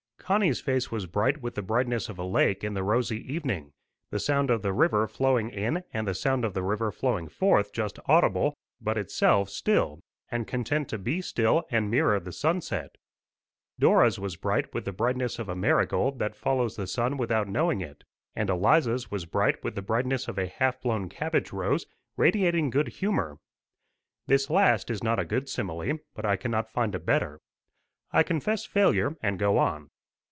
Connie's face was bright with the brightness of a lake in the rosy evening, the sound of the river flowing in and the sound of the river flowing forth just audible, but itself still, and content to be still and mirror the sunset. Dora's was bright with the brightness of a marigold that follows the sun without knowing it; and Eliza's was bright with the brightness of a half blown cabbage rose, radiating good humour. This last is not a good simile, but I cannot find a better. I confess failure, and go on.